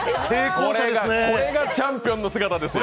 これがチャンピオンの姿ですよ。